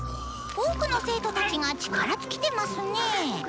多くの生徒たちが力尽きてますね。